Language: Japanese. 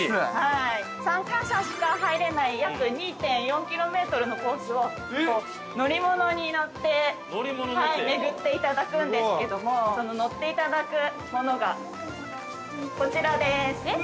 参加者しか入れない、約２．４キロのコースを乗り物に乗って巡っていただくんですけども乗っていただくものがこちらです。